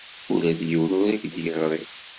Ula d yiwen ur ak-d-yeɣri.